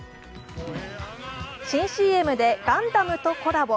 新ＣＭでガンダムとコラボ。